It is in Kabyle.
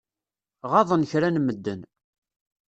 Ɣaḍen kra n medden.